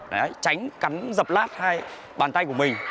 để tránh cắn dập lát hai bàn tay của mình